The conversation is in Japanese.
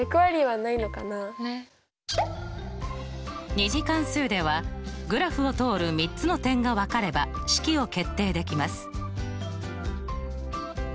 ２次関数ではグラフを通る３つの点が分かれば式を決定できます。